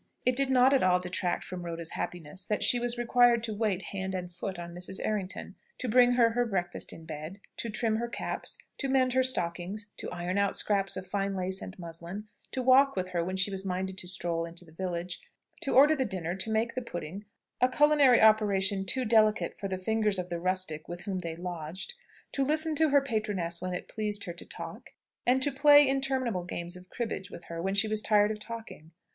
It did not at all detract from Rhoda's happiness, that she was required to wait hand and foot on Mrs. Errington; to bring her her breakfast in bed; to trim her caps, to mend her stockings; to iron out scraps of fine lace and muslin; to walk with her when she was minded to stroll into the village; to order the dinner; to make the pudding a culinary operation too delicate for the fingers of the rustic with whom they lodged to listen to her patroness when it pleased her to talk; and to play interminable games of cribbage with her when she was tired of talking.